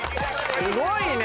すごいね！